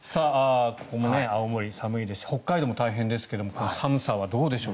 ここも青森、寒いですし北海道も大変ですけど寒さはどうでしょう。